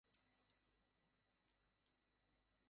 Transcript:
এটাই বলতে চাচ্ছি।